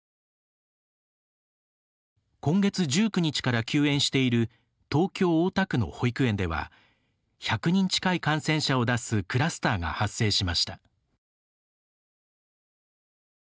今月１９日から休園している東京・大田区の保育園では１００人近い感染者を出すクラスターが発生しました。